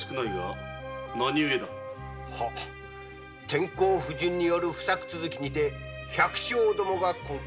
天候不順による不作続きにて百姓どもが困窮。